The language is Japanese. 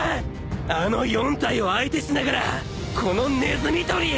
あの４体を相手しながらこのネズミ捕り！